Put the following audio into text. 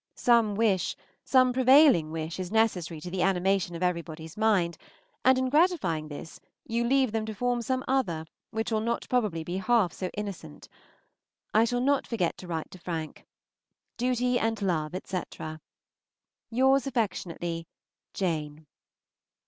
Some wish, some prevailing wish, is necessary to the animation of everybody's mind, and in gratifying this you leave them to form some other which will not probably be half so innocent. I shall not forget to write to Frank. Duty and love, etc. Yours affectionately, JANE.